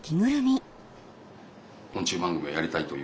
昆虫番組をやりたいという。